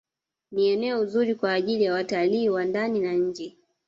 Ni eneo zuri kwa ajili ya watalii wa ndani na nje